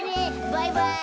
バイバイ！